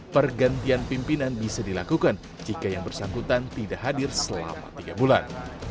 pergantian pimpinan bisa dilakukan jika yang bersangkutan tidak hadir selama tiga bulan